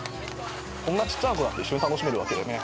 こんなちっちゃな子だって一緒に楽しめるわけでね